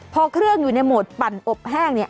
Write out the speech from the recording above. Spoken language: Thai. พอเครื่องอยู่ในโหมดปั่นอบแห้งเนี่ย